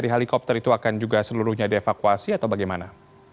helikopter itu akan juga seluruhnya dievakuasi atau bagaimana